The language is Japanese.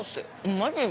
マジで？